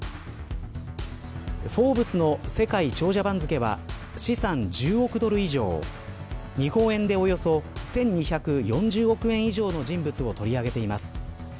フォーブスの世界長者番付は資産１０億ドル以上日本円で、およそ１２４０億以上の人物を取り上げています。